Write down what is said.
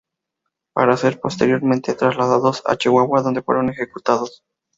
Para ser posteriormente trasladados a Chihuahua donde fueron ejecutados.